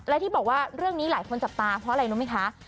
และที่บอกว่าเรื่องนี้หลายคนจับตาเพราะอะไรรู้ไหมคะ